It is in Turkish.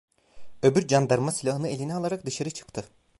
Öbür candarma silahını eline alarak dışarı çıktı.